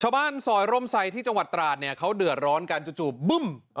ชาวบ้านสอยร่มใสที่จังหวัดตรานเนี่ยเค้าเดือดร้อนกันจุดจุบบึ้ม